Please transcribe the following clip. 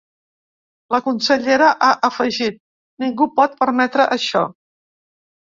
La consellera ha afegit: Ningú pot permetre això.